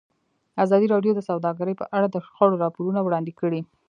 ازادي راډیو د سوداګري په اړه د شخړو راپورونه وړاندې کړي.